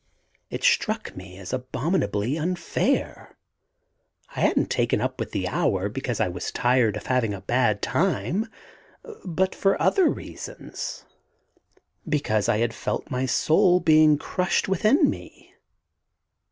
It struck me as abominably unfair. I hadn't taken up with the Hour because I was tired of having a bad time, but for other reasons: because I had felt my soul being crushed within me.